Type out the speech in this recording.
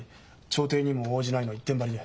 調停にも応じない」の一点張りで。